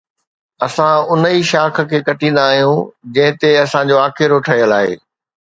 اسان ان ئي شاخ کي ڪٽيندا آهيون جنهن تي اسان جو آکيرو ٺهيل آهي.